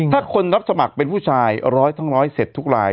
ถ้าคนรับสมัครเป็นผู้ชายร้อยทั้งร้อยเสร็จทุกราย